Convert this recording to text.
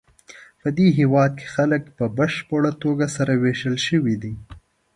پدې هېواد کې خلک په بشپړه توګه سره وېشل شوي دي.